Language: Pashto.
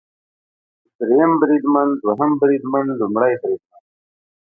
دریم بریدمن، دوهم بریدمن ، لومړی بریدمن